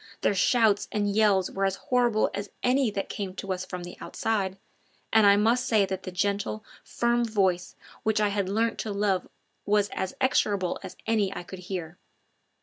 Their shouts and yells were as horrible as any that came to us from the outside, and I must say that the gentle, firm voice which I had learnt to love was as execrable as any I could hear.